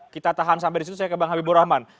kita tahan sampai disitu saya ke bang habibur rahman